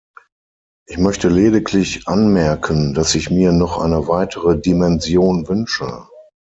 Ich möchte lediglich anmerken, dass ich mir noch eine weitere Dimension wünsche.